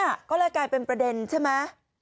ก็เลยกลายเป็นประเด็นใช่ไหม